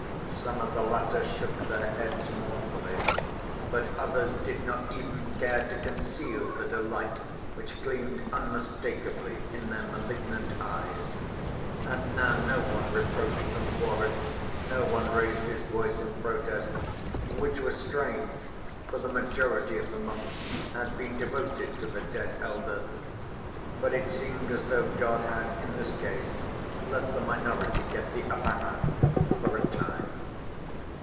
Some of the latter shook their heads mournfully, but others did not even care to conceal the delight which gleamed unmistakably in their malignant eyes. And now no one reproached them for it, no one raised his voice in protest, which was strange, for the majority of the monks had been devoted to the dead elder. But it seemed as though God had in this case let the minority get the upper hand for a time.